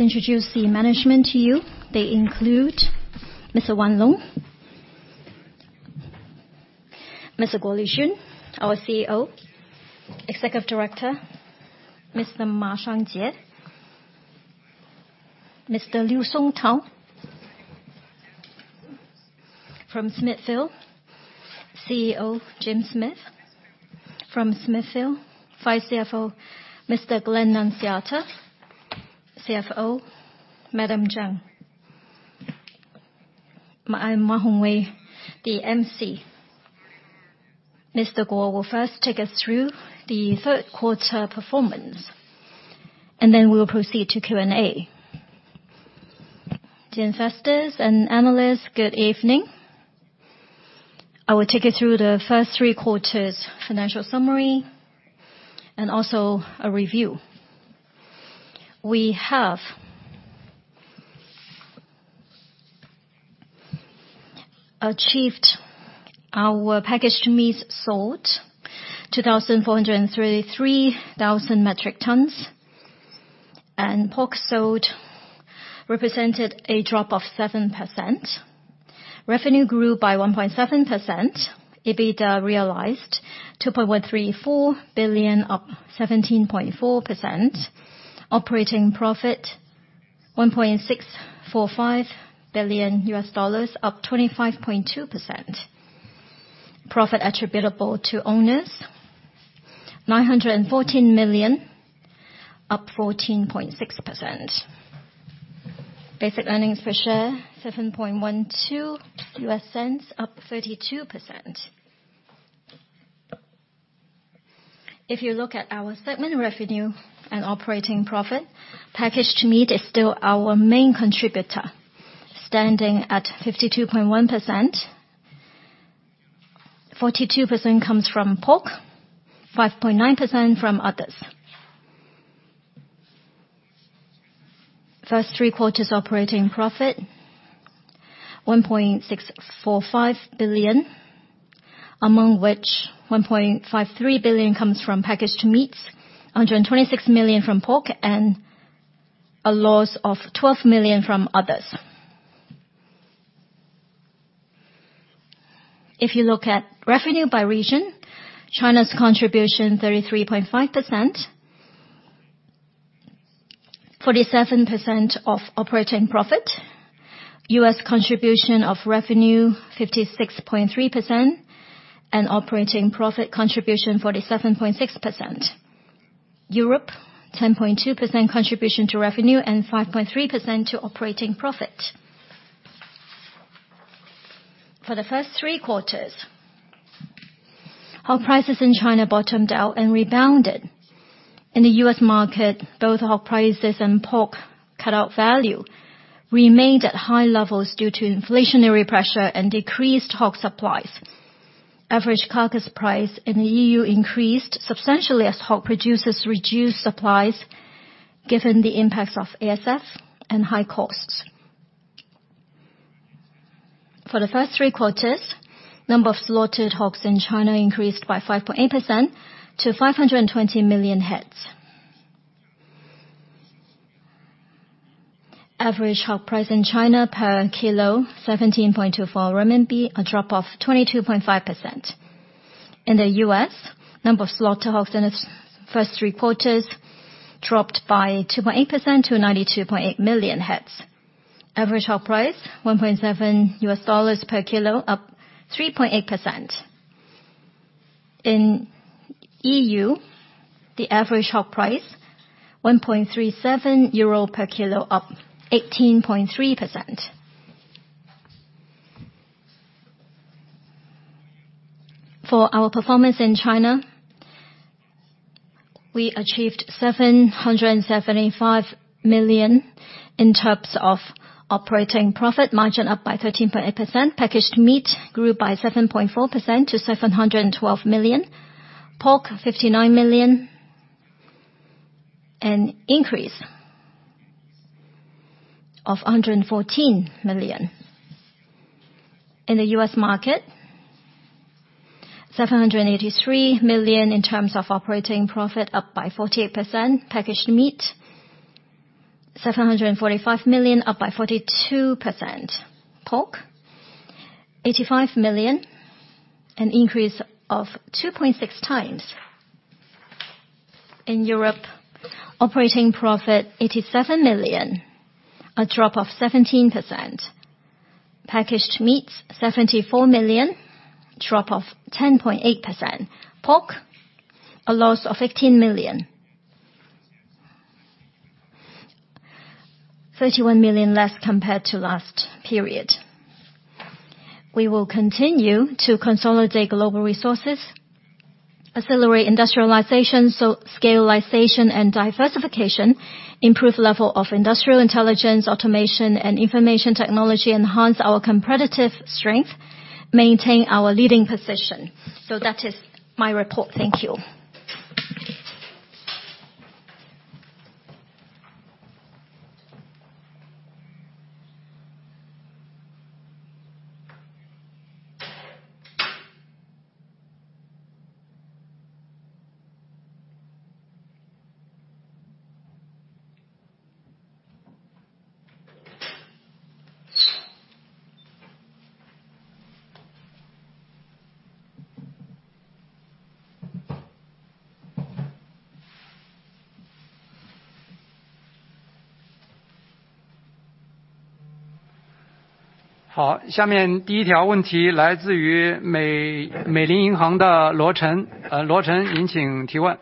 Introduce the management to you. They include Mr. Wan Long. Mr. Guo Lijun, our CEO. Executive Director, Mr. Ma Xiangjie. Mr. Liu Songtao from Smithfield. CEO, Shane Smith from Smithfield. Vice CFO, Mr. Glenn Nunziata. CFO, Madam Zhang. I'm Wan Hongwei, the MC. Mr. Guo will first take us through the third quarter performance and then we will proceed to Q&A. To investors and analysts, good evening. I will take you through the first three quarters financial summary and also a review. We have achieved our packaged meats sold, 2,433,000 metric tons and pork sold represented a drop of 7%. Revenue grew by 1.7%. EBITDA realized $2.134 billion, up 17.4%. Operating profit, $1.645 billion, up 25.2%. Profit attributable to owners, $914 million, up 14.6%. Basic earnings per share, $0.0712, up 32%. If you look at our segment revenue and operating profit, packaged meat is still our main contributor, standing at 52.1%. 42% comes from pork, 5.9% from others. First three quarters operating profit $1.645 billion, among which $1.53 billion comes from packaged meats, $126 million from pork and a loss of $12 million from others. If you look at revenue by region, China's contribution 33.5%. 47% of operating profit. U.S. contribution of revenue 56.3% and operating profit contribution 47.6%. Europe, 10.2% contribution to revenue and 5.3% to operating profit. For the first three quarters, our prices in China bottomed out and rebounded. In the U.S. market, both our prices and pork cutout value remained at high levels due to inflationary pressure and decreased hog supplies. Average carcass price in the EU increased substantially as hog producers reduced supplies given the impacts of ASF and high costs. For the first three quarters, number of slaughtered hogs in China increased by 5.8% to 520 million heads. Average hog price in China per kilo, 17.24 RMB, a drop of 22.5%. In the U.S., number of slaughtered hogs in the first three quarters dropped by 2.8% to 92.8 million heads. Average hog price, $1.7 per kilo, up 3.8%. In the E.U., the average hog price, 1.37 euro per kilo, up 18.3%. For our performance in China, we achieved $775 million in terms of operating profit. Margin up by 13.8%. Packaged meat grew by 7.4% to $712 million. Pork, $59 million, an increase of $114 million. In the U.S. market, $783 million in terms of operating profit, up by 48%. Packaged Meats, $745 million, up by 42%. Pork, $85 million, an increase of 2.6 times. In Europe, operating profit, $87 million, a drop of 17%. Packaged Meats, $74 million, drop of 10.8%. Pork, a loss of $18 million. $31 million less compared to last period. We will continue to consolidate global resources, accelerate industrialization, so scalability and diversification, improve level of industrial intelligence, automation and information technology, enhance our competitive strength, maintain our leading position. That is my report. Thank you. 好，下面第一条问题来自于美银美林的罗晨。罗晨，您请提问。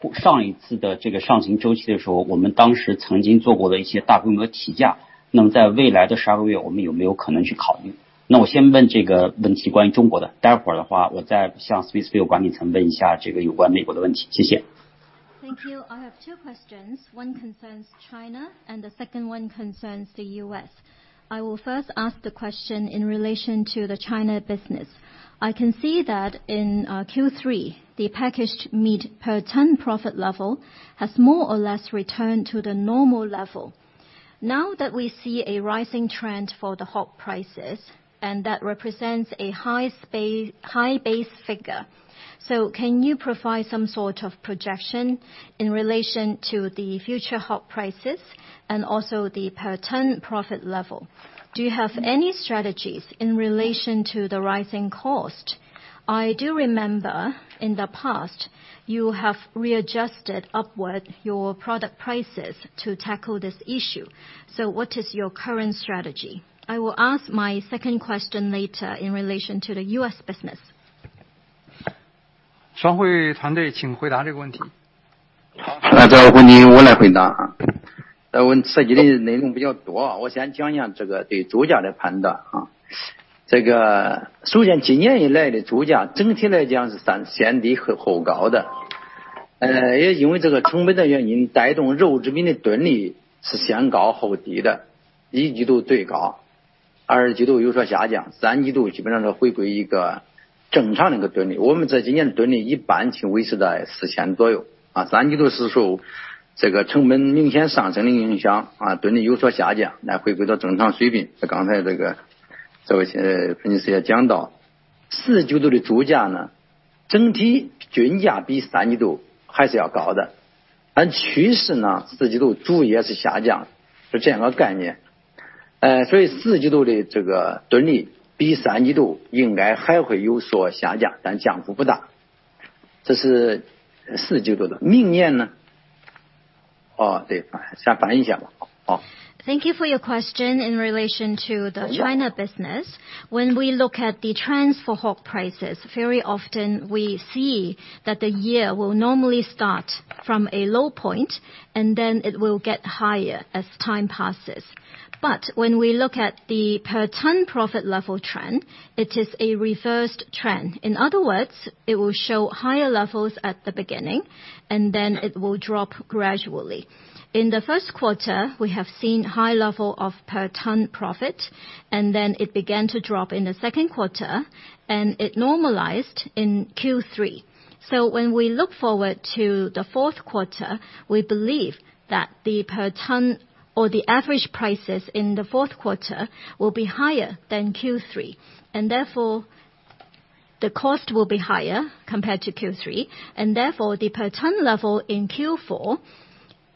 Thank you. I have two questions. One concerns China and the second one concerns the U.S. I will first ask the question in relation to the China business. I can see that in Q3, the packaged meat per ton profit level has more or less returned to the normal level. Now that we see a rising trend for the hog prices and that represents a high base figure. Can you provide some sort of projection in relation to the future hog prices and also the per ton profit level? Do you have any strategies in relation to the rising cost? I do remember in the past you have readjusted upward your product prices to tackle this issue. What is your current strategy? I will ask my second question later in relation to the U.S. business. 商会团队请回答这个问题。Thank you for your question in relation to the China business. When we look at the trends for hog prices, very often we see that the year will normally start from a low point and then it will get higher as time passes. When we look at the per ton profit level trend, it is a reversed trend. In other words, it will show higher levels at the beginning and then it will drop gradually. In the first quarter, we have seen high level of per ton profit and then it began to drop in the second quarter and it normalized in Q3. When we look forward to the fourth quarter, we believe that the per ton or the average prices in the fourth quarter will be higher than Q3 and therefore the cost will be higher compared to Q3. And therefore the per ton level in Q4,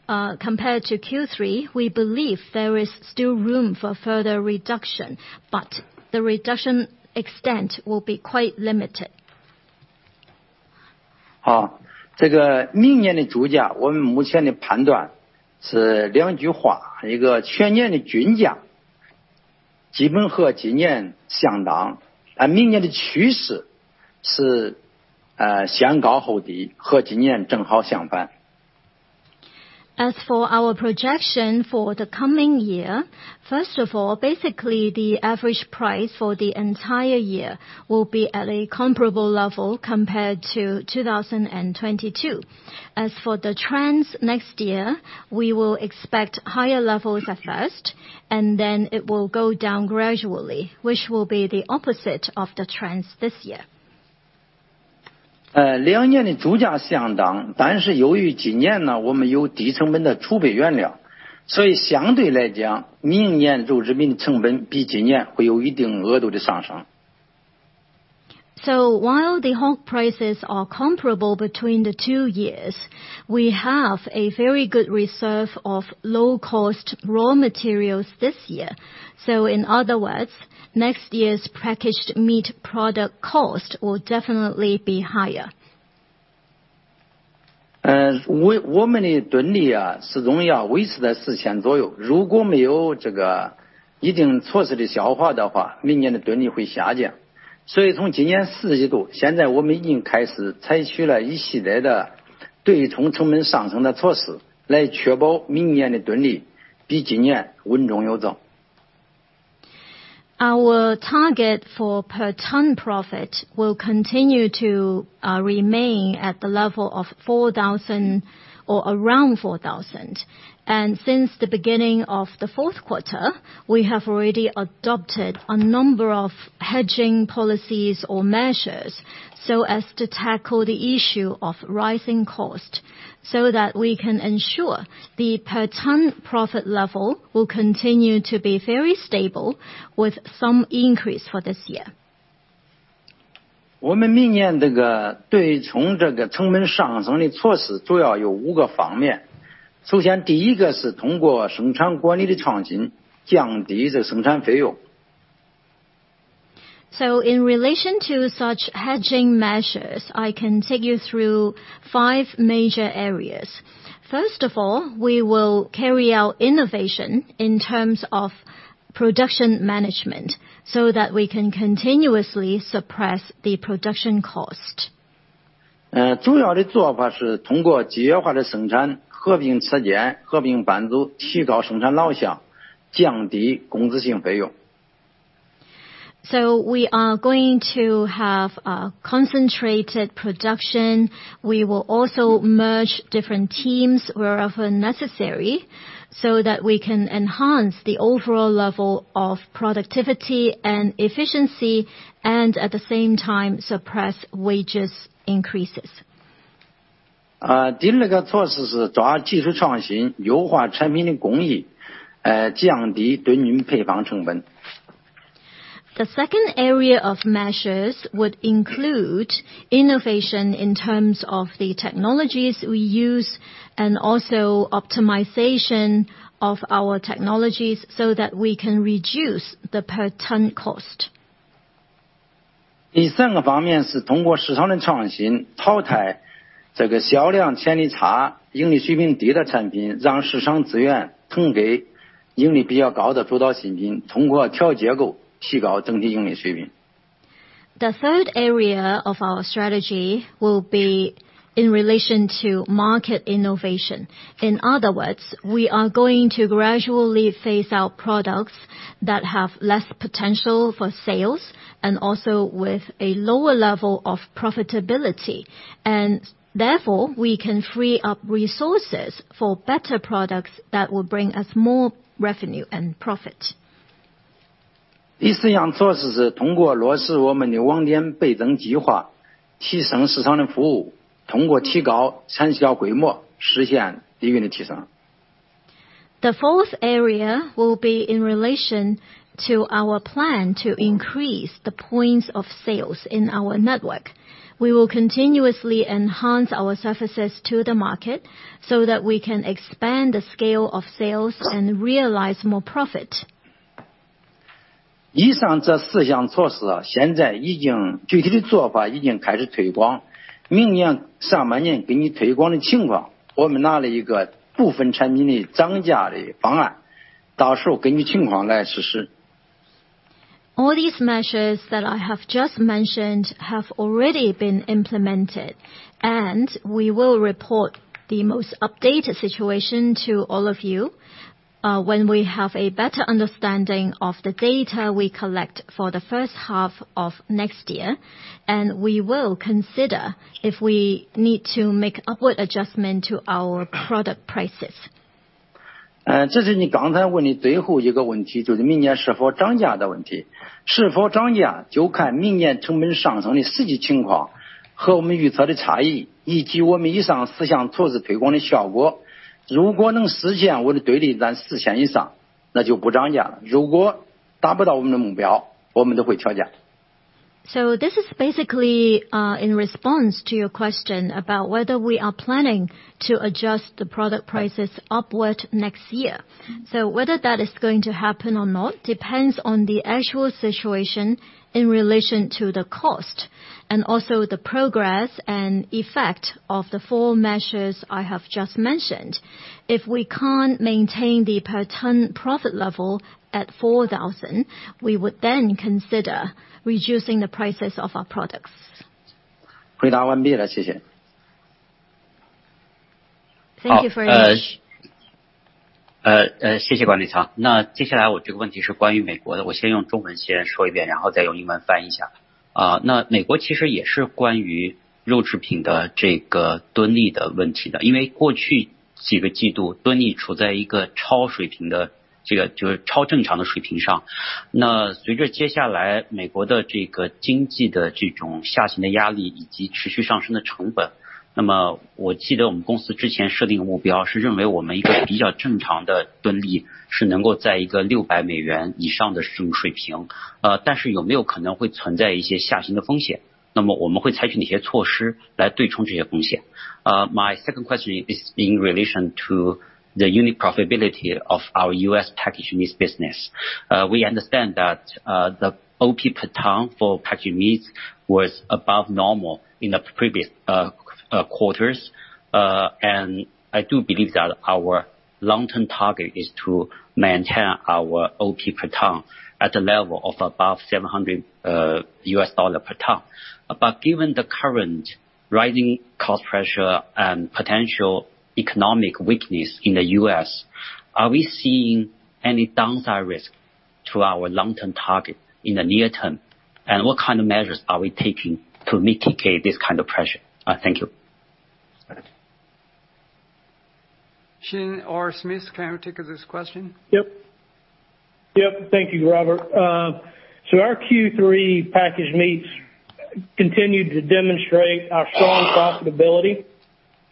compared to Q3, we believe there is still room for further reduction but the reduction extent will be quite limited. 好，这个明年的猪价，我们目前的判断是两句话：一个全年的均价基本和今年相当，而明年的趋势是先高后低，和今年正好相反。As for our projection for the coming year. First of all, basically the average price for the entire year will be at a comparable level compared to 2022. As for the trends next year, we will expect higher levels at first and then it will go down gradually, which will be the opposite of the trends this year. While the hog prices are comparable between the two years, we have a very good reserve of low cost raw materials this year. In other words, next year's packaged meat product cost will definitely be higher. 我们的吨利仍然要维持在四千左右，如果没有这个一定措施的消化的话，明年的吨利会下降。所以从今年四季度，现在我们已经开始采取了一系列的对冲成本上升的措施，来确保明年的吨利比今年稳中有增。Our target for per ton profit will continue to remain at the level of 4,000 or around 4,000. Since the beginning of the fourth quarter, we have already adopted a number of hedging policies or measures, so as to tackle the issue of rising cost, so that we can ensure the per ton profit level will continue to be very stable with some increase for this year. 我们明年这个对冲这个成本上升的措施主要有五个方面。首先第一个是通过生产管理的创新降低这生产费用。In relation to such hedging measures, I can take you through five major areas. First of all, we will carry out innovation in terms of production management so that we can continuously suppress the production cost. 主要的做法是通过集约化的生产，合并车间，合并班组，提高生产效率，降低工资性费用。We are going to have a concentrated production. We will also merge different teams wherever necessary, so that we can enhance the overall level of productivity and efficiency and at the same time suppress wage increases. 第二个措施是抓技术创新，优化产品的工艺，降低吨利配方成本。The second area of measures would include innovation in terms of the technologies we use and also optimization of our technologies so that we can reduce the per ton cost. 第三个方面是通过市场的创新淘汰这个销量潜力差、盈利水平低的产品，让市场资源腾给盈利比较高的主导新品，通过调结构提高整体盈利水平。The third area of our strategy will be in relation to market innovation. In other words, we are going to gradually phase out products that have less potential for sales and also with a lower level of profitability. Therefore we can free up resources for better products that will bring us more revenue and profit. 第四项措施是通过落实我们的网点倍增计划提升市场的服务，通过提高成交规模实现利润的提升。The fourth area will be in relation to our plan to increase the points of sales in our network. We will continuously enhance our services to the market so that we can expand the scale of sales and realize more profit. 以上这四项措施现在已经具体的做法已经开始推广，明年上半年根据推广的情况，我们拿了一个部分产品的涨价的方案，到时候根据情况来实施。All these measures that I have just mentioned have already been implemented and we will report the most updated situation to all of you, when we have a better understanding of the data we collect for the first half of next year. We will consider if we need to make upward adjustment to our product prices. This is basically in response to your question about whether we are planning to adjust the product prices upward next year. Whether that is going to happen or not depends on the actual situation in relation to the cost and also the progress and effect of the four measures I have just mentioned. If we can't maintain the per ton profit level at $4,000, we would then consider reducing the prices of our products. 回答完毕了，谢谢。The answer is complete, thank you. 好，谢谢管理员。那接下来我这个问题是关于美国的，我先用中文先说一遍，然后再用英文翻译一下。那美国其实也是关于肉制品的这个吨利的问题的，因为过去几个季度吨利处在一个超水平的，这个就是超正常的水平上。那随着接下来美国的这个经济的这种下行的压力，以及持续上升的成本，那么我记得我们公司之前设定的目标是认为我们一个比较正常的吨利是能够在一个$600以上的这种水平。但是有没有可能会存在一些下行的风险？那么我们会采取哪些措施来对冲这些风险？ My second question is in relation to the unit profitability of our U.S. Packaged Meats business. We understand that the $600 per ton for Packaged Meats was above normal in the previous quarters. I do believe that our long-term target is to maintain our $600 per ton at a level of above $700 per ton. Given the current rising cost pressure and potential economic weakness in the U.S., are we seeing any downside risk to our long-term target in the near term? What kind of measures are we taking to mitigate this kind of pressure? Thank you. Shane Smith, care to take this question? Yep. Thank you, Robert. Our Q3 Packaged Meats continued to demonstrate our strong profitability.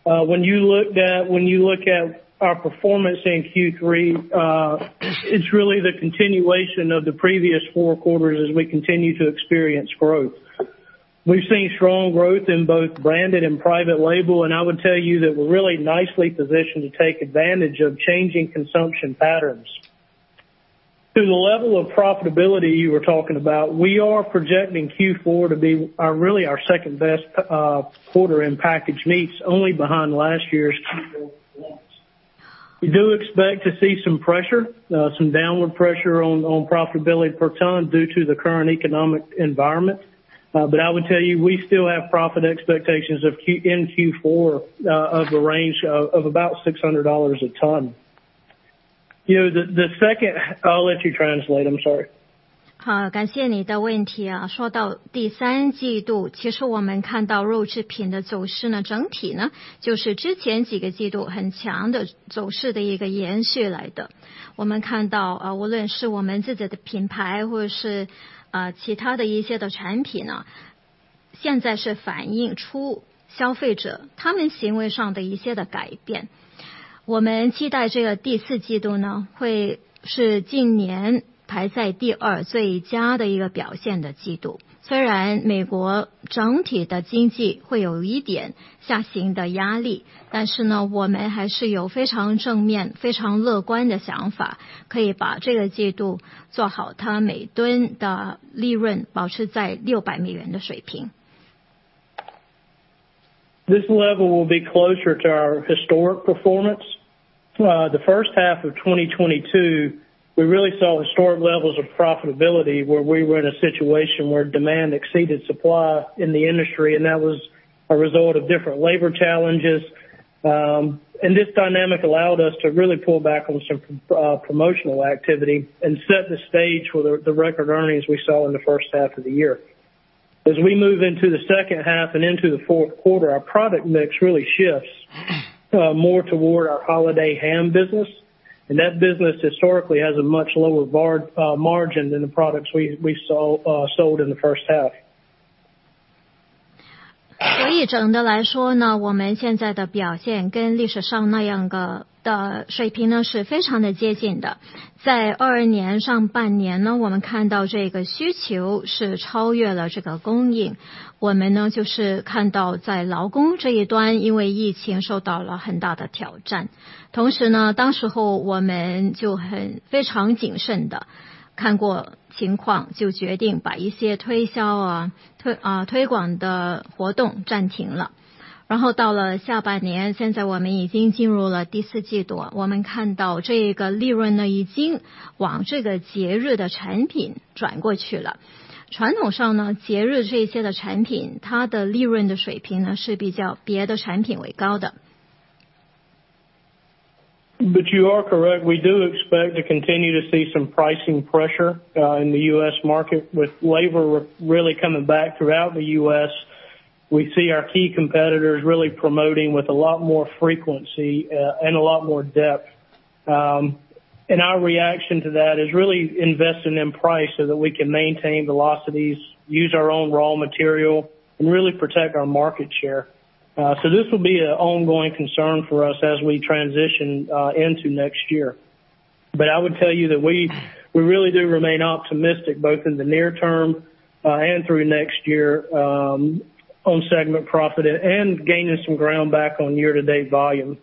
When you look at our performance in Q3, it's really the continuation of the previous four quarters as we continue to experience growth. We've seen strong growth in both branded and private label and I would tell you that we're really nicely positioned to take advantage of changing consumption patterns. To the level of profitability you were talking about, we are projecting Q4 to be our second-best quarter in Packaged Meats only behind last year's performance. We do expect to see some pressure, some downward pressure on profitability per ton due to the current economic environment. I would tell you we still have profit expectations of in Q4 of a range of about $600 a ton. You know, the second I'll let you translate. I'm sorry. This level will be closer to our historic performance. The first half of 2022, we really saw historic levels of profitability where we were in a situation where demand exceeded supply in the industry and that was a result of different labor challenges. This dynamic allowed us to really pull back on some promotional activity and set the stage for the record earnings we saw in the first half of the year. As we move into the second half and into the fourth quarter, our product mix really shifts more toward our holiday ham business and that business historically has a much lower margin than the products we sold in the first half. You are correct. We do expect to continue to see some pricing pressure in the U.S. market with labor really coming back throughout the U.S. We see our key competitors really promoting with a lot more frequency and a lot more depth. Our reaction to that is really investing in price so that we can maintain velocities, use our own raw material and really protect our market share. This will be an ongoing concern for us as we transition into next year. I would tell you that we really do remain optimistic both in the near term and through next year, on segment profit and gaining some ground back on year-to-date volume.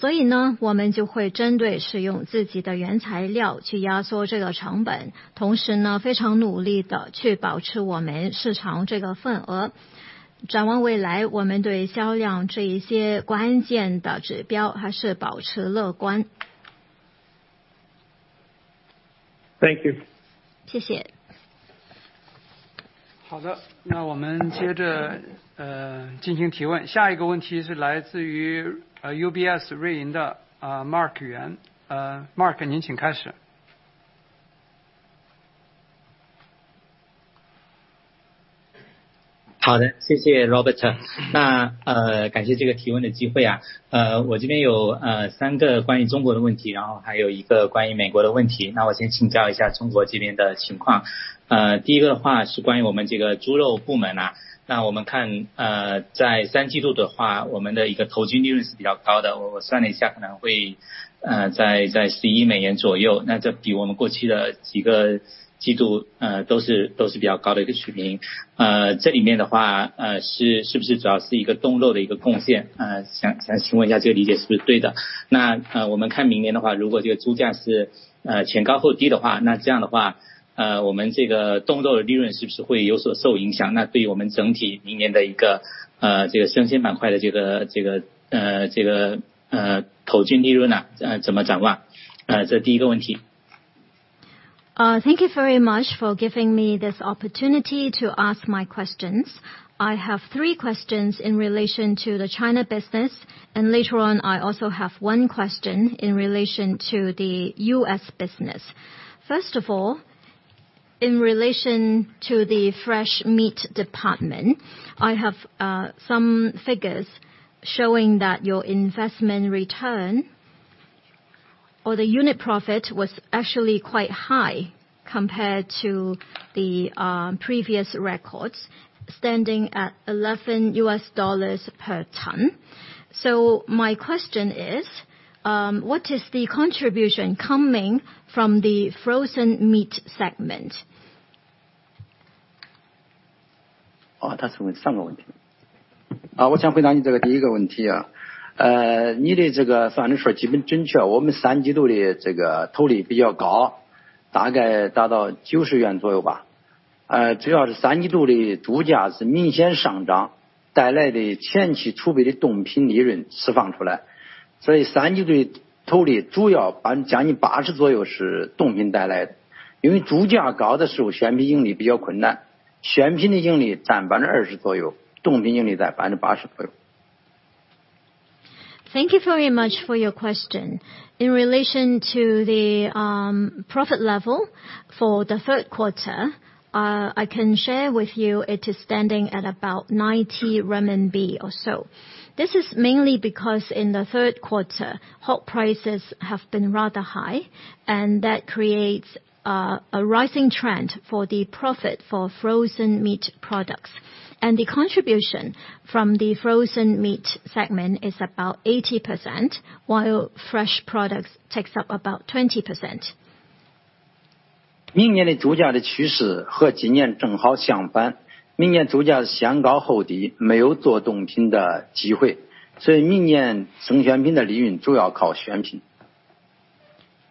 Thank you. UBS, Mark Yuan. Thank you very much for giving me this opportunity to ask my questions. I have three questions in relation to the China business and later on I also have one question in relation to the U.S. business. First of all, in relation to the fresh meat department, I have some figures showing that your investment return or the unit profit was actually quite high compared to the previous records standing at $11 per ton. My question is, what is the contribution coming from the frozen meat segment? 他是问三个问题。我想回答你这个第一个问题。你的这个算术说基本准确，我们三季度的这个投率比较高，大概达到九十元左右吧。主要是三季度的猪价是明显上涨带来的前期储备的冻品利润释放出来。所以三季度的投率主要将近八十左右是冻品带来的。因为猪价高的时候鲜品盈利比较困难，鲜品的盈利占20%左右，冻品盈利占80%左右。Thank you very much for your question. In relation to the profit level for the third quarter, I can share with you it is standing at about 90 RMB or so. This is mainly because in the third quarter hog prices have been rather high and that creates a rising trend for the profit for frozen meat products. The contribution from the frozen meat segment is about 80% while fresh products takes up about 20%.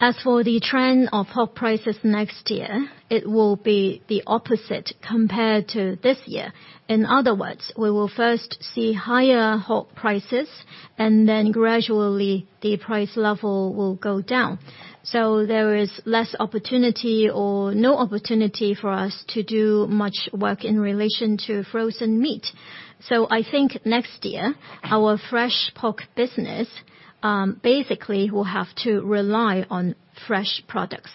As for the trend of hog prices next year, it will be the opposite compared to this year. In other words, we will first see higher hog prices and then gradually the price level will go down. There is less opportunity or no opportunity for us to do much work in relation to frozen meat. I think next year our fresh pork business basically will have to rely on fresh products.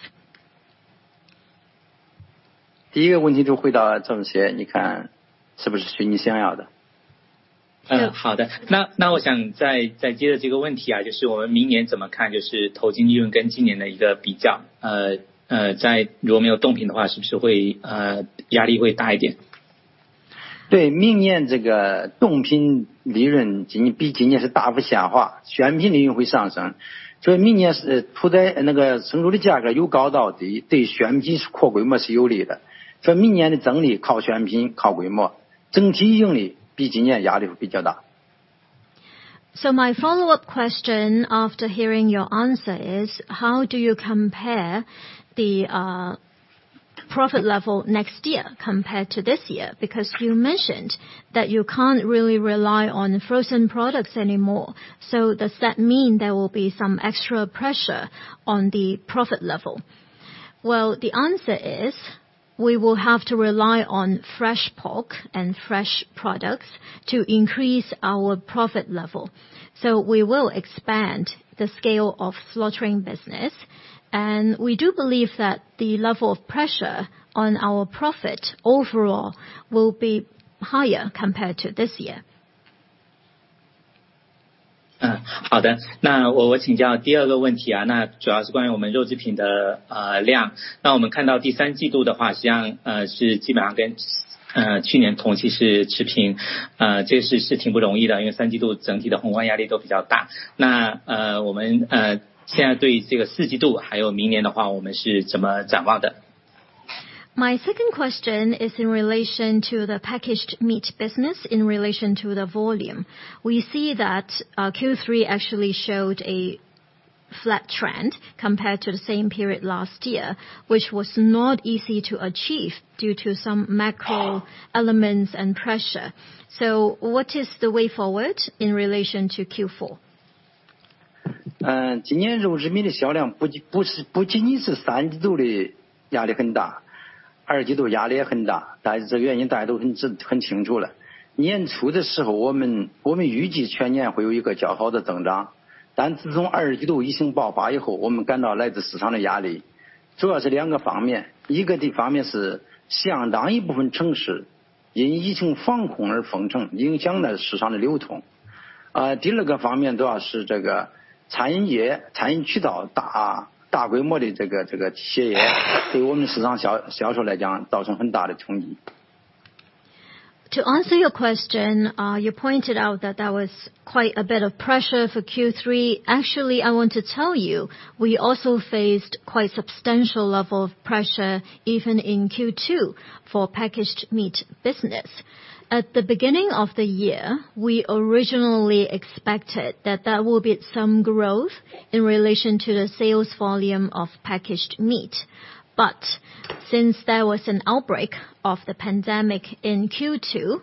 第一个问题就回答这么些，你看是不是随你想要的？ 好的，我想再接着这个问题，就是我们明年怎么看，就是投进利润跟今年的一个比较。如果没有冻品的话，是不是压力会大一点？ 明年这个冻品利润比今年是大幅下滑，鲜品利润会上升。所以明年是屠宰那个成本的价格由高到低，对鲜品是扩规模是有利的。所以明年的整体靠鲜品，靠规模，整体盈利比今年压力会比较大。My follow up question after hearing your answer is how do you compare the profit level next year compared to this year? Because you mentioned that you can't really rely on frozen products anymore. Does that mean there will be some extra pressure on the profit level? Well, the answer is we will have to rely on fresh pork and fresh products to increase our profit level. We will expand the scale of slaughtering business. We do believe that the level of pressure on our profit overall will be higher compared to this year. 好的，那我请教第二个问题，主要是关于我们肉制品的量，我们看到第三季度的话，实际上是基本上跟去年同期是持平，这是挺不容易的，因为三季度整体的宏观压力都比较大。那我们现在对这个四季度还有明年的话，我们是怎么展望的？ My second question is in relation to the packaged meat business in relation to the volume. We see that Q3 actually showed a flat trend compared to the same period last year, which was not easy to achieve due to some macro elements and pressure. What is the way forward in relation to Q4? To answer your question, you pointed out that there was quite a bit of pressure for Q3. Actually, I want to tell you, we also faced quite substantial level of pressure even in Q2 for packaged meat business. At the beginning of the year, we originally expected that there will be some growth in relation to the sales volume of packaged meat. Since there was an outbreak of the pandemic in Q2,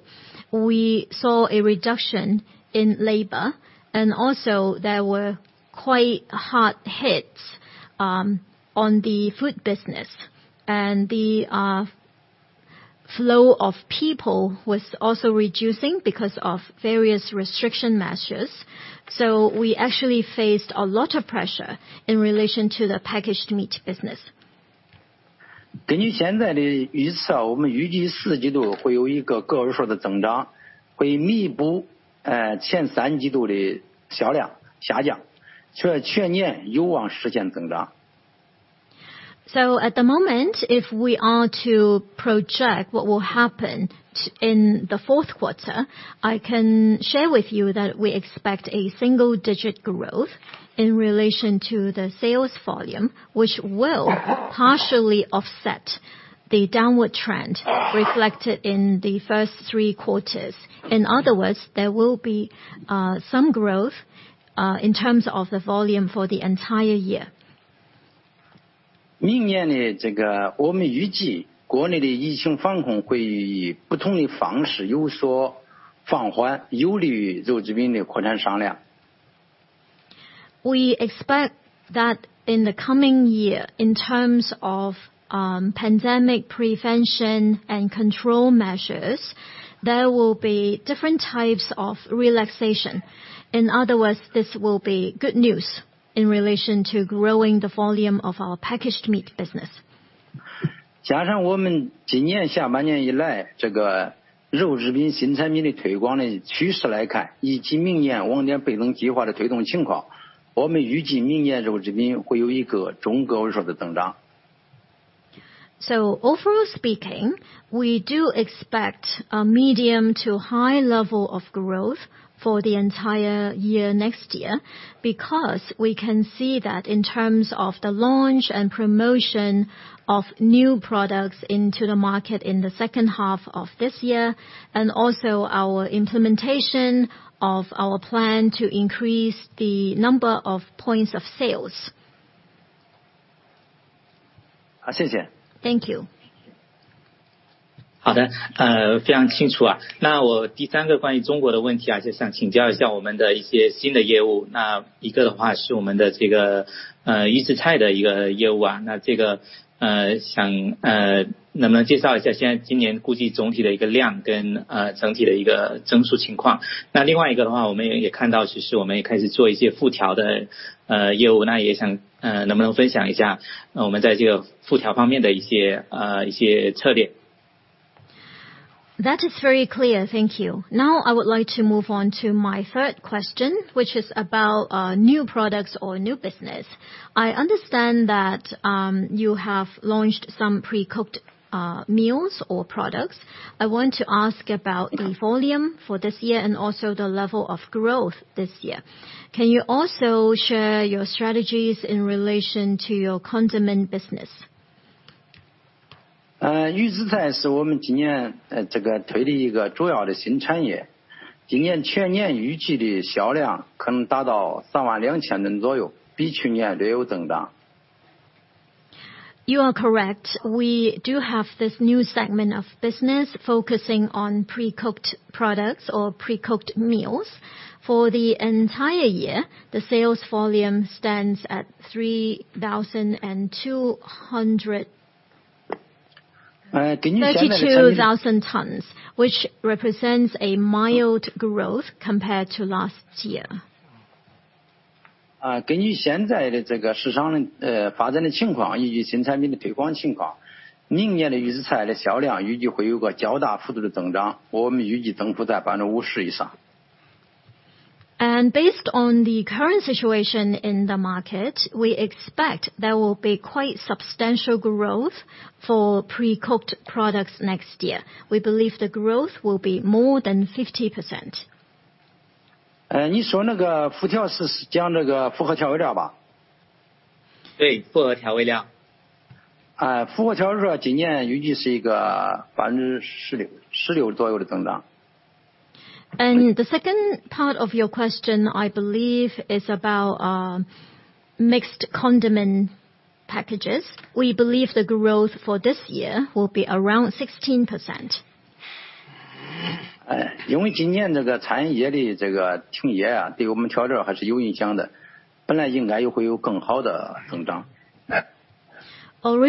we saw a reduction in labor and also there were quite hard hits on the food business. The flow of people was also reducing because of various restriction measures. We actually faced a lot of pressure in relation to the packaged meat business. At the moment, if we are to project what will happen in the fourth quarter, I can share with you that we expect a single digit growth in relation to the sales volume, which will partially offset the downward trend reflected in the first three quarters. In other words, there will be some growth in terms of the volume for the entire year. We expect that in the coming year, in terms of pandemic prevention and control measures, there will be different types of relaxation. In other words, this will be good news in relation to growing the volume of our packaged meat business. Overall speaking, we do expect a medium to high level of growth for the entire year next year because we can see that in terms of the launch and promotion of new products into the market in the second half of this year and also our implementation of our plan to increase the number of points of sales. Thank you. That is very clear. Thank you. Now I would like to move on to my third question, which is about new products or new business. I understand that you have launched some pre-cooked meals or products. I want to ask about the volume for this year and also the level of growth this year. Can you also share your strategies in relation to your condiments business? You are correct. We do have this new segment of business focusing on pre-cooked products or prepared foods. For the entire year, the sales volume stands at 32,000 tons, which represents a mild growth compared to last year. Based on the current situation in the market, we expect there will be quite substantial growth for pre-cooked products next year. We believe the growth will be more than 50%. The second part of your question, I believe is about mixed condiment packages. We believe the growth for this year will be around 16%. Originally, we expected even higher level of growth for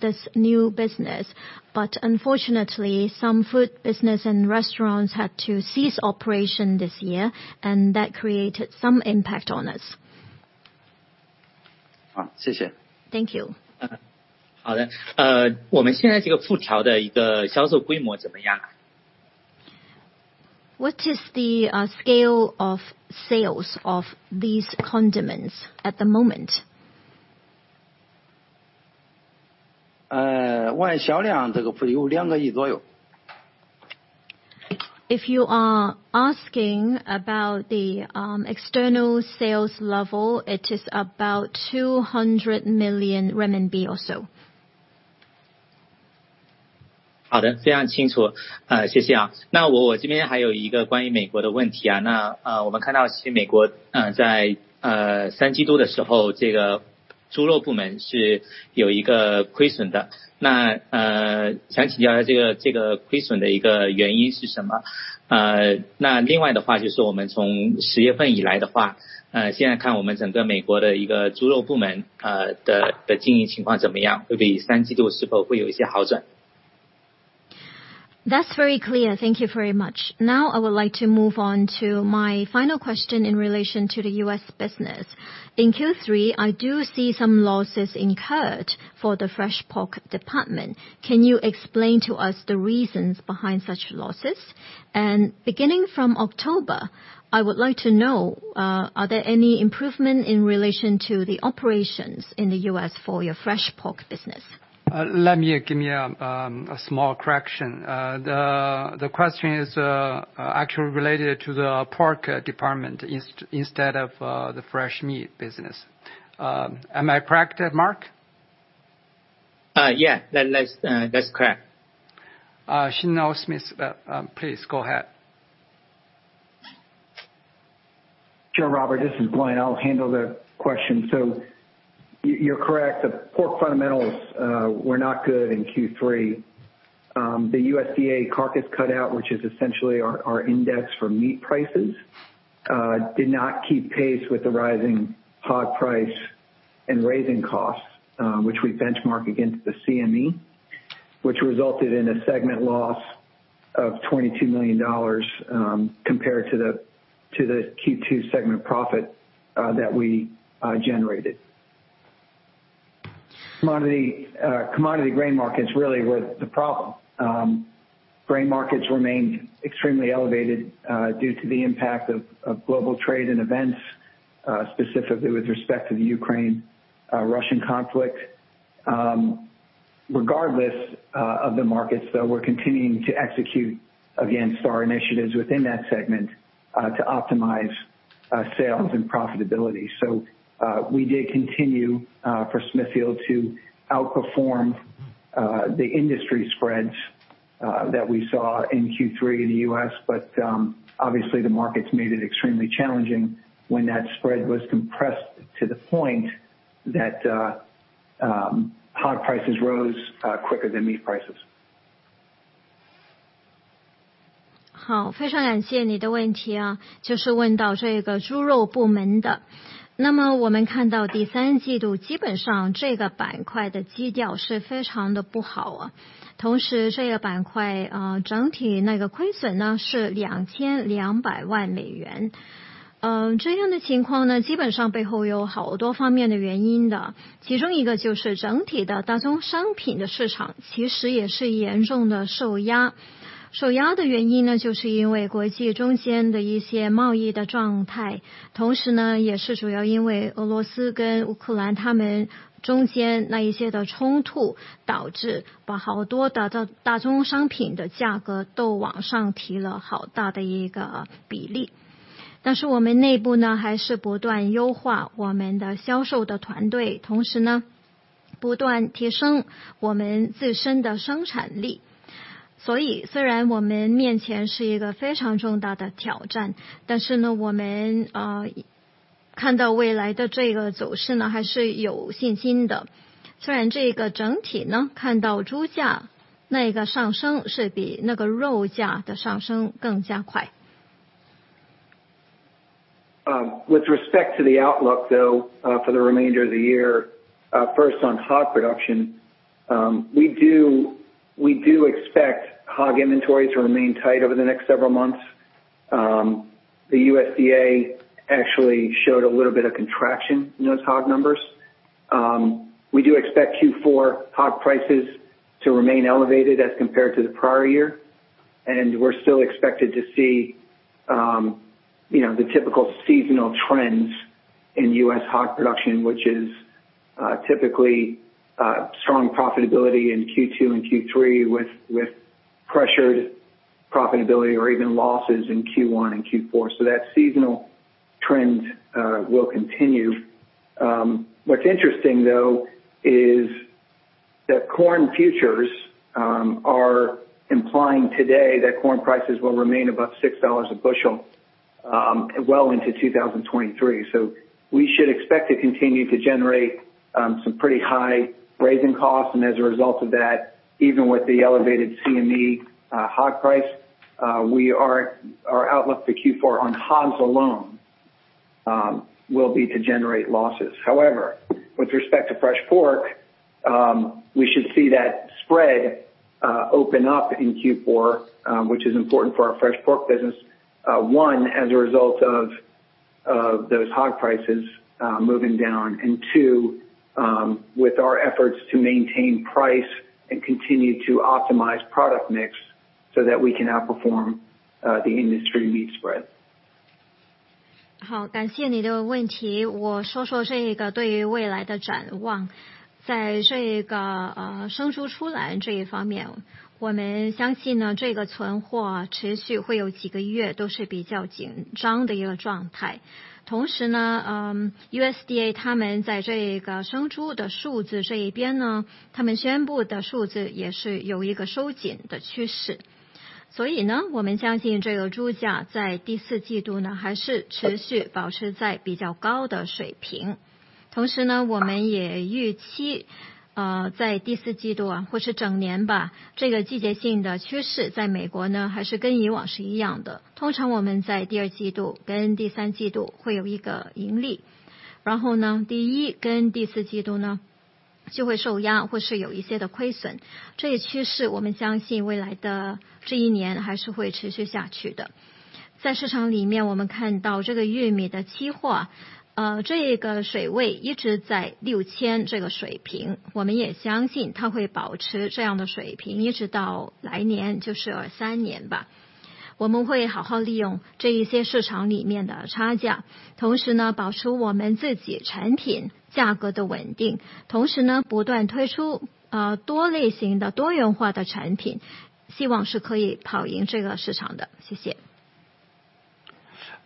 this new business but unfortunately, some food business and restaurants had to cease operation this year and that created some impact on us. Thank you. What is the scale of sales of these condiments at the moment? If you are asking about the external sales level, it is about 200 million RMB or so. That's very clear. Thank you very much. Now I would like to move on to my final question in relation to the U.S. business. In Q3, I do see some losses incurred for the fresh pork department. Can you explain to us the reasons behind such losses? Beginning from October, I would like to know, are there any improvement in relation to the operations in the U.S. for your fresh pork business? Let me give a small correction. The question is actually related to the pork department instead of the fresh meat business. Am I correct, Mark? Yeah. That's correct. Shane Smith, please go ahead. Sure, Robert, this is Glenn. I'll handle the question. You're correct. The pork fundamentals were not good in Q3. The USDA carcass cutout, which is essentially our index for meat prices, did not keep pace with the rising hog price and rising costs, which we benchmark against the CME, which resulted in a segment loss of $22 million, compared to the Q2 segment profit that we generated. Commodity grain markets really were the problem. Grain markets remained extremely elevated due to the impact of global trade and events, specifically with respect to the Russia-Ukraine conflict. Regardless of the markets though, we're continuing to execute against our initiatives within that segment to optimize sales and profitability. We did continue for Smithfield to outperform the industry spreads that we saw in Q3 in the U.S. but obviously, the markets made it extremely challenging when that spread was compressed to the point that hog prices rose quicker than meat prices. With respect to the outlook, though, for the remainder of the year, first on hog production, we expect hog inventories to remain tight over the next several months. The USDA actually showed a little bit of contraction in those hog numbers. We do expect Q4 hog prices to remain elevated as compared to the prior year and we're still expected to see, you know, the typical seasonal trends in U.S. hog production, which is typically strong profitability in Q2 and Q3 with pressured profitability or even losses in Q1 and Q4. That seasonal trend will continue. What's interesting, though, is that corn futures are implying today that corn prices will remain above $6 a bushel well into 2023. We should expect to continue to generate some pretty high raising costs and as a result of that, even with the elevated CME hog price, our outlook for Q4 on hogs alone will be to generate losses. However, with respect to fresh pork, we should see that spread open up in Q4, which is important for our fresh pork business. One, as a result of those hog prices moving down. Two, with our efforts to maintain price and continue to optimize product mix so that we can outperform the industry meat spread.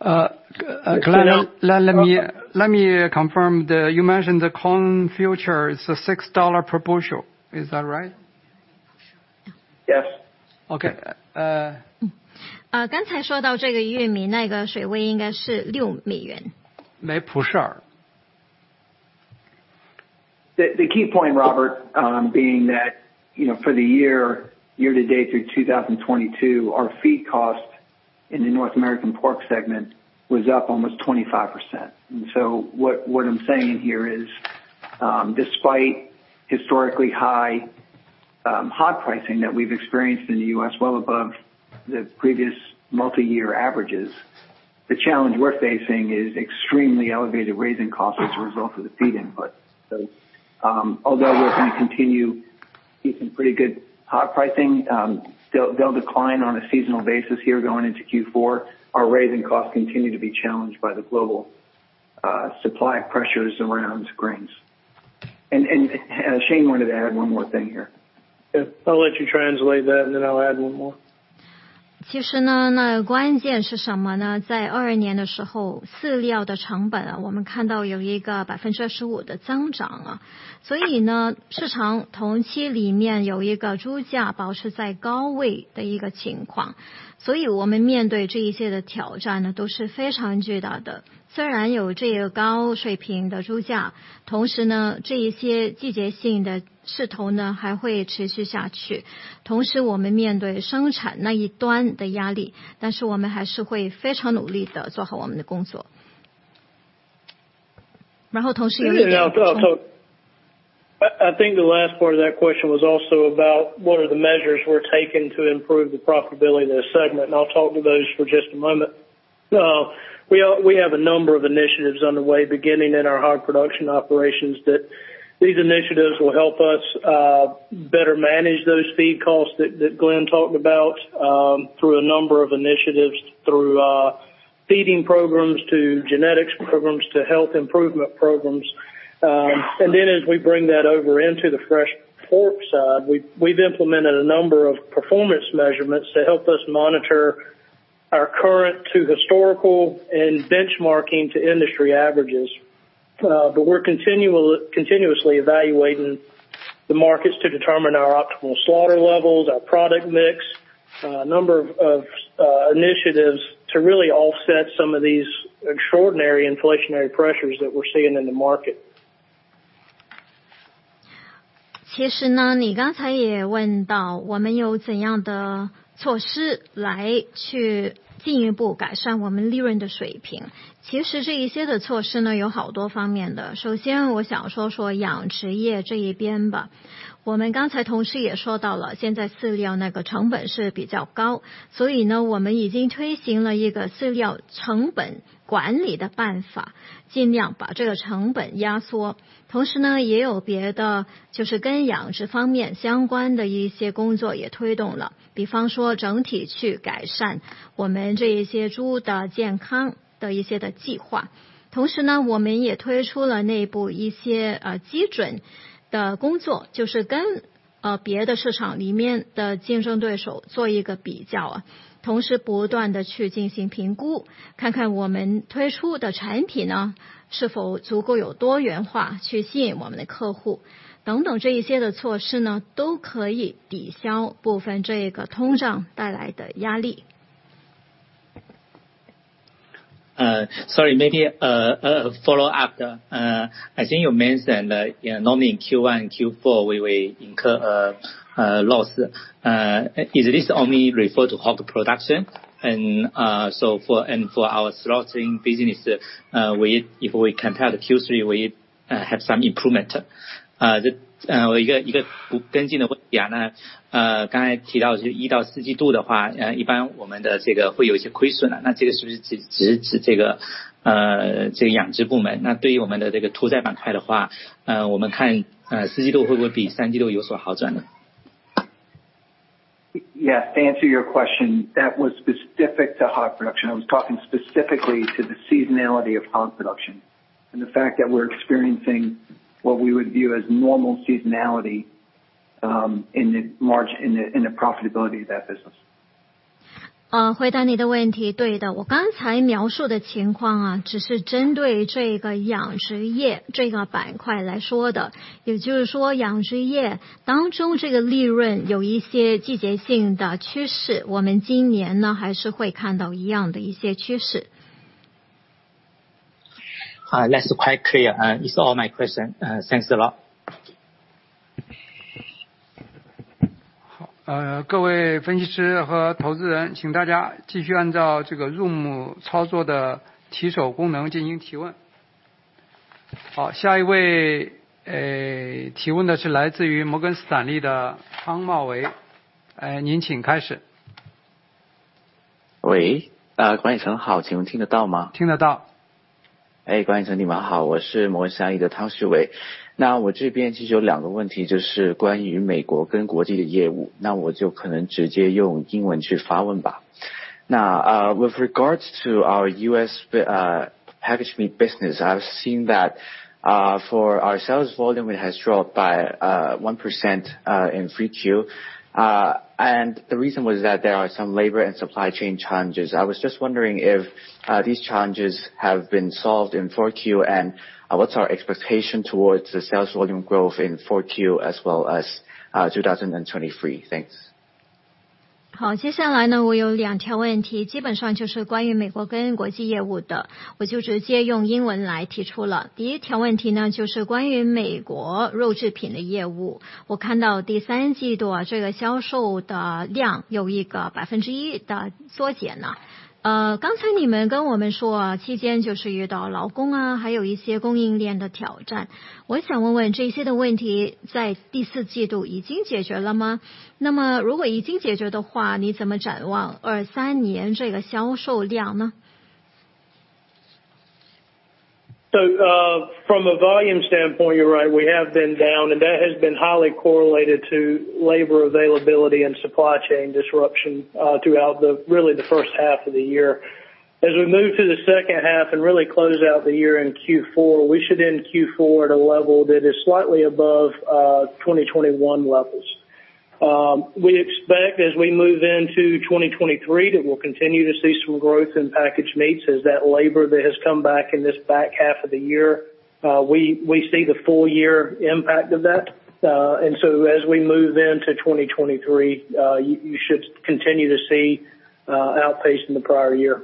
Glenn, let me confirm. You mentioned the corn future is $6 per bushel. Is that right? Yes。Okay. 刚才说到这个玉米，那个水位应该是$6。每蒲式耳。The key point, Robert, being that, you know, year to date through 2022, our feed cost in the North American pork segment was up almost 25%. What I'm saying here is, despite historically high hog pricing that we've experienced in the U.S. well above the previous multi-year averages, the challenge we're facing is extremely elevated raising costs as a result of the feed input. Although we're going to continue seeing pretty good hog pricing, they'll decline on a seasonal basis here going into Q4. Our raising costs continue to be challenged by the global supply pressures around grains. Shane wanted to add one more thing here. I'll let you translate that and then I'll add one more. I think the last part of that question was also about what are the measures we're taking to improve the profitability of the segment and I'll talk to those for just a moment. We have a number of initiatives underway beginning in our hog production operations that these initiatives will help us better manage those feed costs that Glenn talked about, through a number of initiatives, through feeding programs to genetics programs to health improvement programs. Then as we bring that over into the fresh pork side, we've implemented a number of performance measurements to help us monitor our current to historical and benchmarking to industry averages. We're continuously evaluating the markets to determine our optimal slaughter levels, our product mix, a number of initiatives to really offset some of these extraordinary inflationary pressures that we're seeing in the market. Sorry, maybe a follow up. I think you mentioned that normally in Q1 and Q4, we incur loss. Is this only refer to hog production? So for our slaughtering business, if we compare the Q3, we have some improvement. 一个跟进的问题啊。刚才提到就是一到四季度的话，一般我们的这个会有一些亏损了，那这个是不是只指这个养殖部门，那对于我们的这个屠宰板块的话，我们看四季度会不会比三季度有所好转呢？ Yes. To answer your question, that was specific to hog production. I was talking specifically to the seasonality of hog production and the fact that we're experiencing what we would view as normal seasonality in the profitability of that business. 回答你的问题，对的，我刚才描述的情况啊，只是针对这个养殖业这个板块来说的，也就是说养殖业当中这个利润有一些季节性的趋势，我们今年呢还是会看到一样的一些趋势。Hi, that's quite clear. It's all my question. Thanks a lot. 各位分析师和投资人，请大家继续按照这个 room 操作的起手功能进行提问。下一位提问的是来自于摩根士丹利的汤茂维，您请开始。郭奕辰好，请问听得到吗？ 听得到。郭奕辰，你们好，我是摩根士丹利的汤茂维。那我这边其实有两个问题，就是关于美国跟国际的业务，那我就可能直接用英文去发问吧。With regards to our U.S. packaged meat business, I've seen that for our sales volume, it has dropped by 1% in 3Q. The reason was that there are some labor and supply chain challenges. I was just wondering if these challenges have been solved in 4Q and what's our expectation towards the sales volume growth in 4Q as well as 2023? Thanks. From a volume standpoint, you're right, we have been down and that has been highly correlated to labor availability and supply chain disruption throughout really the first half of the year. As we move through the second half and really close out the year in Q4, we should end Q4 at a level that is slightly above 2021 levels. We expect as we move into 2023 that we'll continue to see some growth in packaged meats as that labor that has come back in this back half of the year. We see the full year impact of that. As we move then to 2023, you should continue to see outpacing the prior year.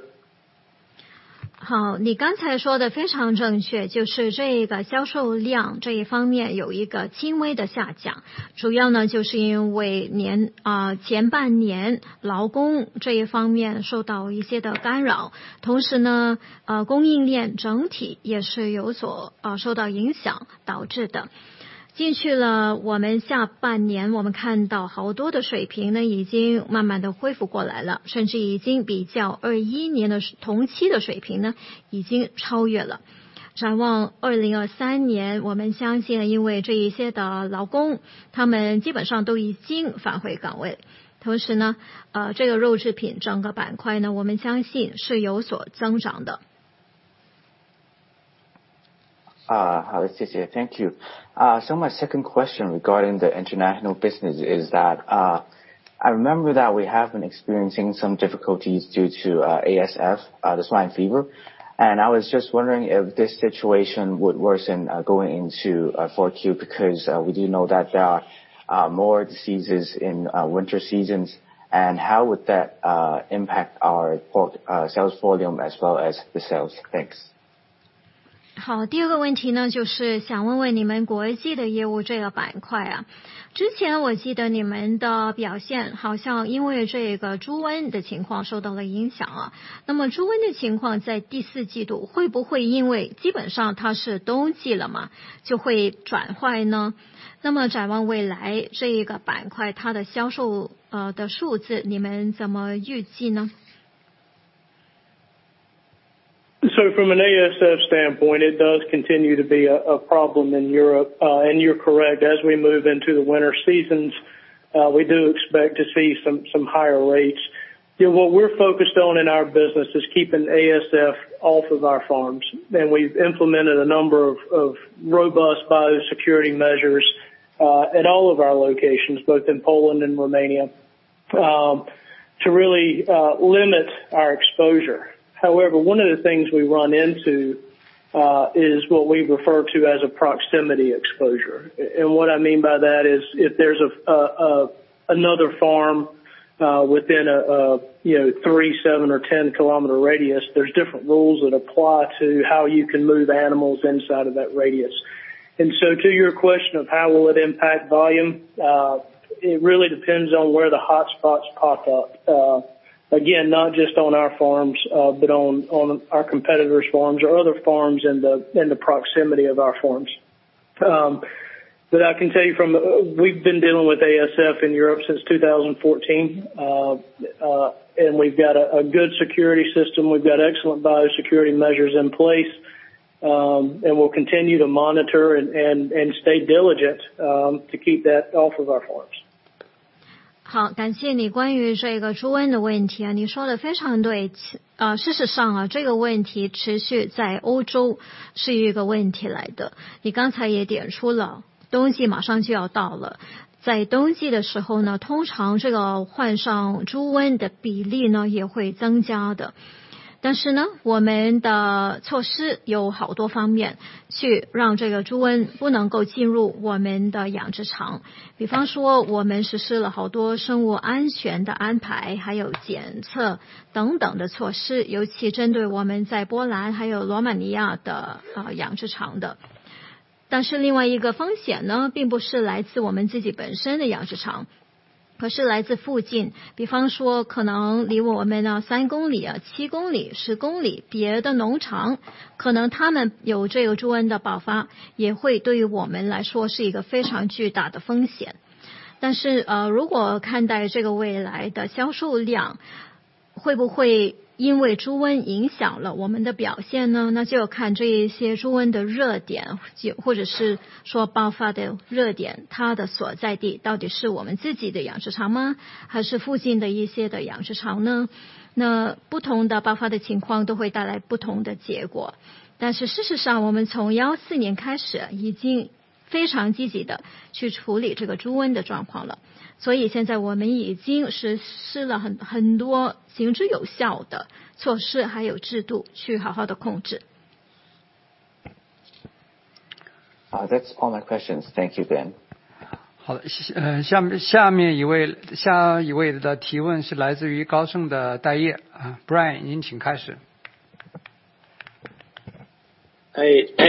好，谢谢。Thank you. My second question regarding the international business is that, I remember that we have been experiencing some difficulties due to ASF, the swine fever and I was just wondering if this situation would worsen going into 4Q, because we do know that there are more diseases in winter seasons and how would that impact our pork sales volume as well as the sales? Thanks. From an ASF standpoint, it does continue to be a problem in Europe. You're correct. As we move into the winter seasons, we do expect to see some higher rates. What we're focused on in our business is keeping ASF off of our farms and we've implemented a number of robust biosecurity measures at all of our locations, both in Poland and Romania, to really limit our exposure. However, one of the things we run into is what we refer to as a proximity exposure. What I mean by that is if there's another farm within a 3, 7 or 10 kilometer radius, there's different rules that apply to how you can move animals inside of that radius. To your question of how will it impact volume, it really depends on where the hotspots pop up. Again, not just on our farms but on our competitors' farms or other farms in the proximity of our farms. I can tell you we've been dealing with ASF in Europe since 2014 and we've got a good security system, we've got excellent biosecurity measures in place. We'll continue to monitor and stay diligent to keep that off of our farms. That's all my questions. Thank you then. 好，下面一位，下一位的提问是来自于高盛的戴业。Dai Ye，您请开始。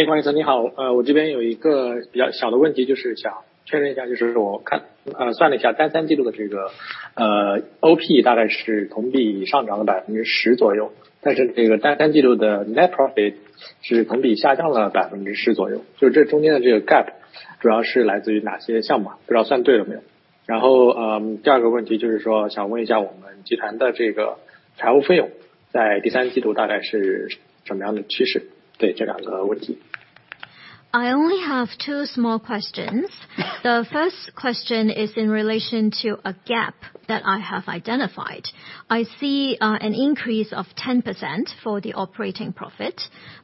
王总你好，我这边有一个比较小的问题，就是想确认一下，我算了一下单三季度的OP大概是同比上涨了10%左右，但是这个单三季度的net I only have two small questions. The first question is in relation to a gap that I have identified. I see an increase of 10% for the operating profit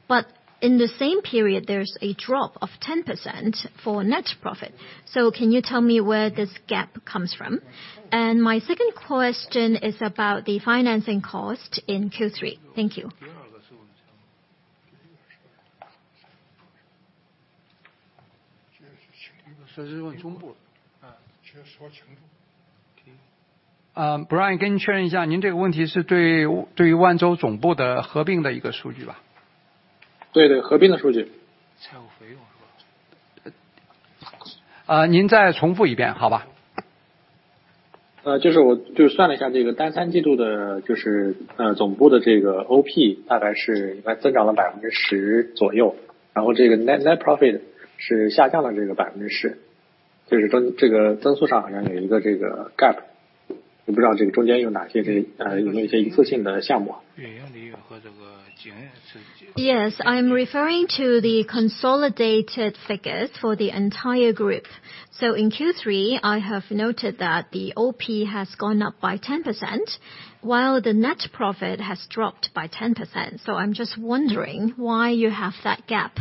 but in the same period there's a drop of 10% for net profit. Can you tell me where this gap comes from? My second question is about the financing cost in Q3. Thank you. 这是问总部的。需要说清楚。Dai Ye，跟你确认一下，您这个问题是对于万洲总部的合并的一个数据吧？ 对，合并的数据。财务费用是吧？您再重复一遍好吗？ 我算了一下，这个单三季度的总部OP大概增长了10%左右，然后这个net profit是下降了10%，这个增速上好像有一个gap，我不知道中间有哪些一次性的项目。运营利润和这个经营利润。Yes, I'm referring to the consolidated figures for the entire group. In Q3 I have noted that the OP has gone up by 10% while the net profit has dropped by 10%. I'm just wondering why you have that gap.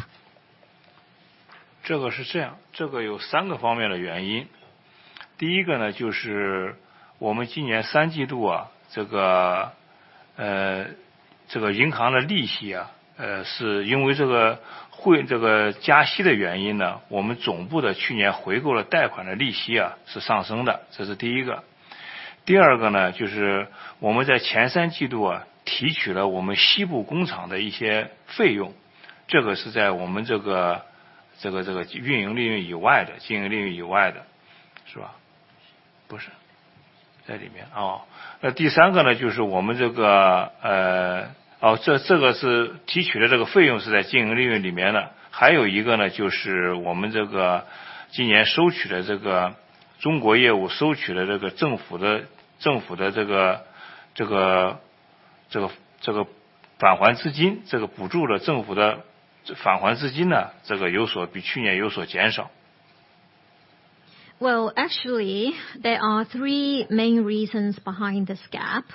Well, actually there are three main reasons behind this gap.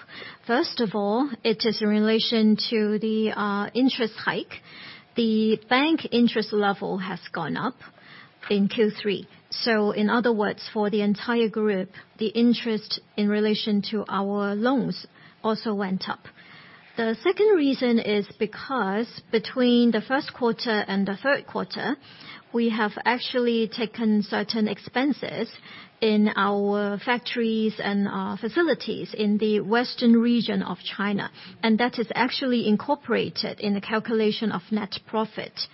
First of all, it is in relation to the interest hike. The bank interest level has gone up in Q3. In other words, for the entire group, the interest in relation to our loans also went up. The second reason is because we have actually taken certain expenses in our factories and our facilities in the western region of China and that is actually incorporated in the calculation of net profit.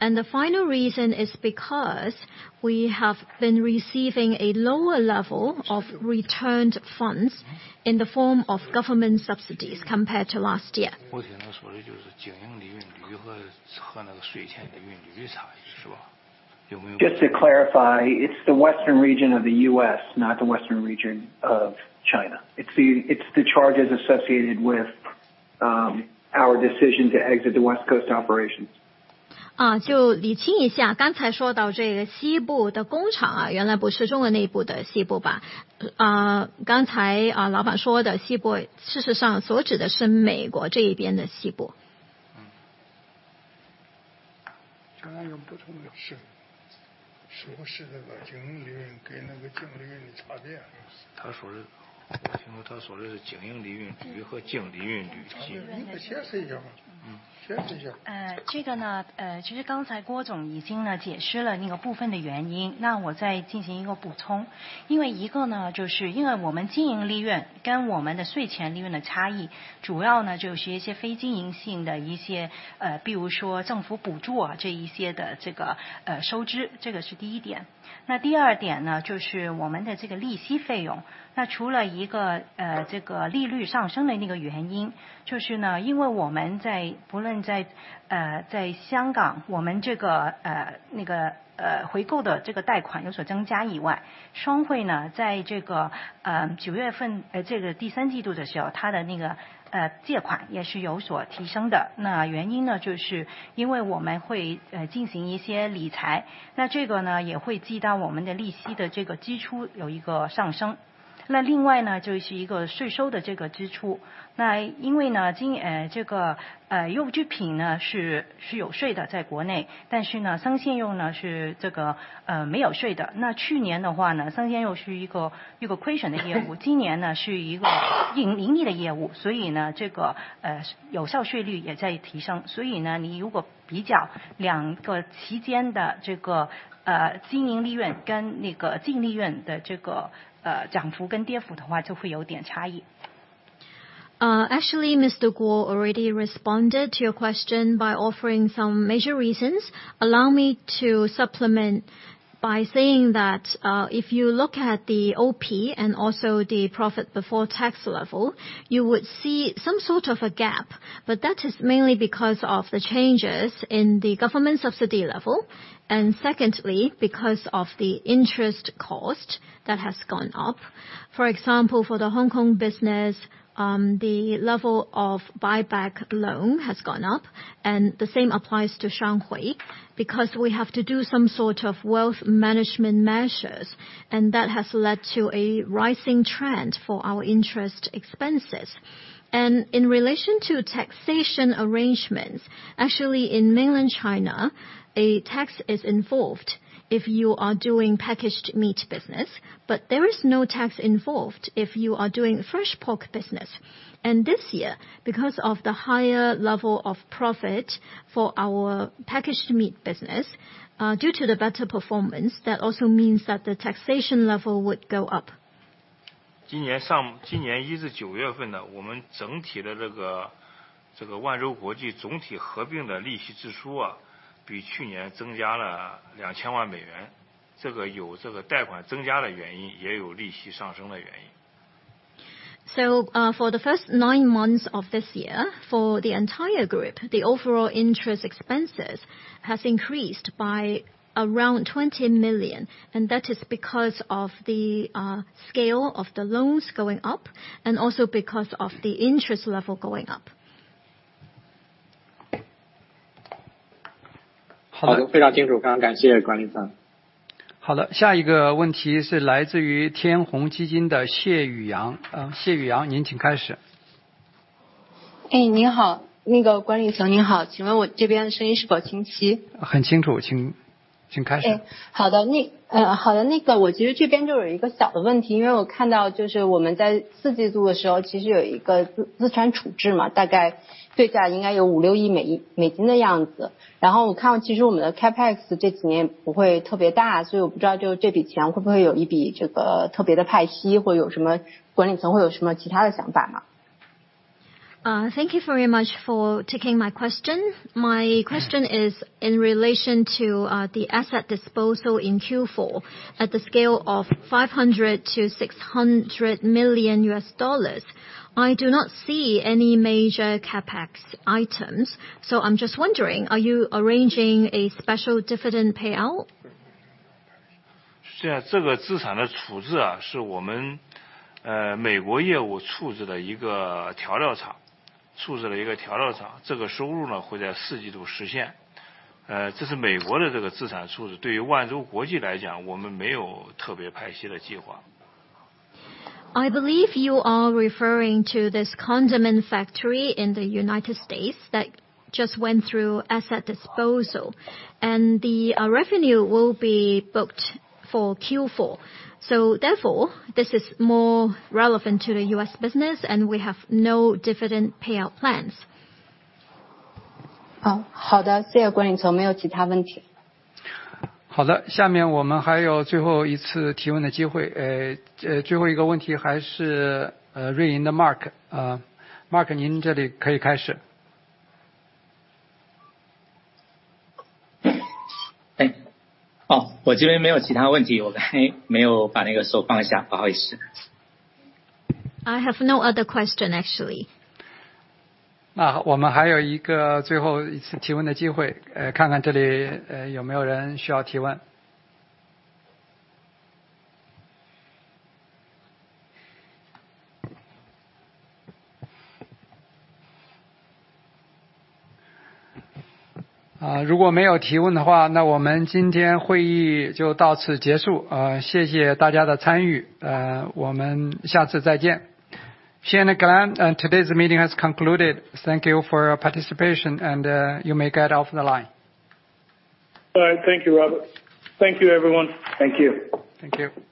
The final reason is because we have been receiving a lower level of returned funds in the form of government subsidies compared to last year. 我只能说的就是经营利润率和税前利润率差异是吧？ Just to clarify, it's the western region of the U.S., not the western region of China. It's the charges associated with our decision to exit the West Coast operations. 就理清一下，刚才说到这个西部的工厂啊，原来不是中国那边的西部吧。刚才老板说的西部，事实上所指的是美国这一边的西部。刚才有不同意。说是这个经营利润跟那个净利润的差别。他说的——我听他所说是经营利润与和净利润与其他。你给解释一下吧。解释一下。Guo already responded to your question by offering some major reasons. Allow me to supplement by saying that, if you look at the OP and also the profit before tax level, you would see some sort of a gap but that is mainly because of the changes in the government subsidy level. Secondly, because of the interest cost that has gone up. For example, for the Hong Kong business, the level of buyback loan has gone up and the same applies to Shuanghui, because we have to do some sort of wealth management measures and that has led to a rising trend for our interest expenses. In relation to taxation arrangements, actually in Mainland China, a tax is involved if you are doing packaged meat business but there is no tax involved if you are doing fresh pork business. This year, because of the higher level of profit for our Packaged Meats business, due to the better performance, that also means that the taxation level would go up. 今年一至九月份，我们整体的万洲国际总体合并的利息支出，比去年增加了$2,000万，这个有贷款增加的原因，也有利息上升的原因。For the first nine months of this year, for the entire group, the overall interest expenses has increased by around $20 million and that is because of the scale of the loans going up and also because of the interest level going up. 好的，非常清楚，非常感谢管理层。好的，下一个问题是来自于天弘基金的谢宇洋。谢宇洋，您请开始。您好，管理层您好，请问我这边的声音是否清晰？ 很清楚，请开始。Thank you very much for taking my question. My question is in relation to the asset disposal in Q4 at the scale of $500 million-$600 million. I do not see any major CapEx items, so I'm just wondering, are you arranging a special dividend payout? 现在这个资产的处置，是我们美国业务处置的一个调料厂，处置了一个调料厂，这个收入呢，会在四季度实现。这是美国的这个资产处置。对于万洲国际来讲，我们没有特别派息的计划。I believe you are referring to this condiments factory in the United States that just went through asset disposal and the revenue will be booked for Q4. Therefore this is more relevant to the U.S. business and we have no dividend payout plans. 好，好的，谢谢管理层，没有其他问题。好的，下面我们还有最后一次提问的机会。这最后一个问题还是瑞银的Mark，Mark您这里可以开始。我这边没有其他问题，我刚才没有把那个手放下，不好意思。I have no other question actually. 那我们还有一个最后一次提问的机会，看看这里，有没有人需要提问。如果没有提问的话，那我们今天会议就到此结束。谢谢大家的参与，我们下次再见。Shane and Glenn, today's meeting has concluded. Thank you for your participation and you may get off the line. All right. Thank you, Robert. Thank you, everyone. Thank you. Thank you.